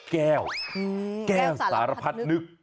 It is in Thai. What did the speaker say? แก้วแก้วสารพัดนึก